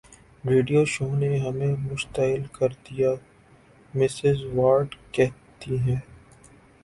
radio show نے ہمیں مشتعل کر دیا مسز وارد کہتی ہے